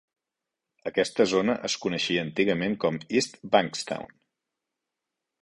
Aquesta zona es coneixia antigament com East Bankstown.